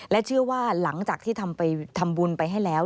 และเชื่อว่าหลังจากที่ทำบุญไปให้แล้ว